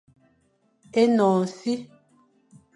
Énoñ e si,